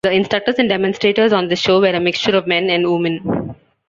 The instructors and demonstrators on the show were a mixture of men and women.